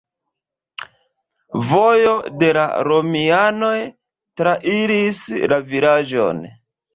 Vojo de la romianoj trairis la vilaĝon.